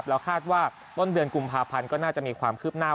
แล้วคาดว่าต้นเดือนกุมภาพันธ์ก็น่าจะมีความคืบหน้า